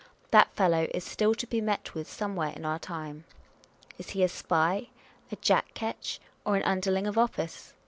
That fellow is still to be met wTith somewhere in our time. Is he a spy, a jack ketch, or an underling of office?